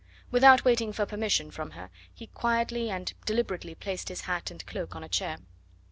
Without waiting for permission from her he quietly and deliberately placed his hat and cloak on a chair.